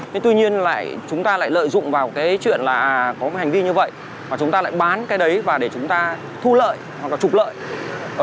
thế tuy nhiên lại chúng ta lại lợi dụng vào cái chuyện là có một hành vi như vậy mà chúng ta lại bán cái đấy và để chúng ta thu lợi hoặc là trục lợi